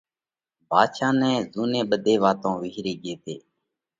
ڀاڌشا نئہ زُوني ٻڌي واتون وِيهري ڳي تي۔